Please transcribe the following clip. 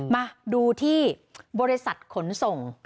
มาดูที่บริษัทขนส่ง